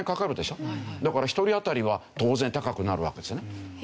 だから一人当たりは当然高くなるわけですよね。